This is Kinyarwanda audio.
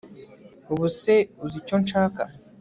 ubuse uzi icyo nshaka